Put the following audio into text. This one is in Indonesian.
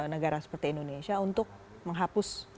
negara seperti indonesia untuk menghapus